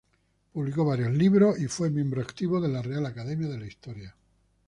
Publicó varios libros y fue miembro activo de la Real Academia de la Historia.